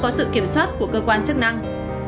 có sự kiểm soát của cơ quan chức năng